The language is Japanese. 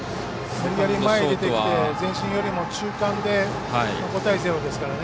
前に出てきて前進よりも中間で５対０ですからね。